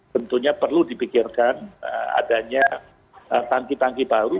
tentunya perlu dipikirkan adanya tangki tangki baru